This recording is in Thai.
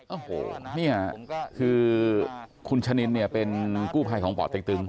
โอ้โหเนี่ยคือคุณชะนินเนี่ยเป็นกู้ภัยของป่อเต็กตึง